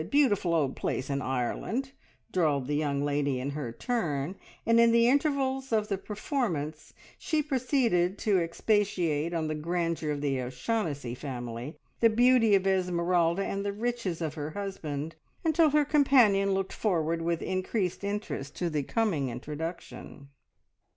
Beautiful old place in Ireland," drawled the young lady in her turn, and in the intervals of the performance she proceeded to expatiate on the grandeur of the O'Shaughnessy family, the beauty of Esmeralda, and the riches of her husband, until her companion looked forward with increased interest to the coming introduction.